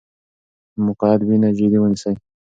مقعد وینه جدي ونیسئ.